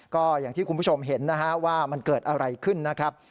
ก็อย่างที่คุณผู้ชมเห็นนะฮะว่ามันเกิดอะไรขึ้นนะครับ